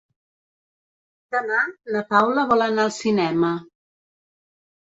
Demà na Paula vol anar al cinema.